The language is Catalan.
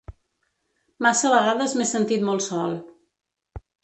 Massa vegades m’he sentit molt sol.